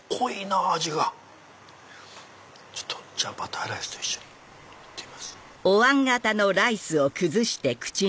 ちょっとバターライスと一緒に行ってみます。